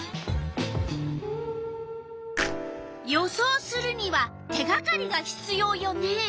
予想するには手がかりがひつようよね。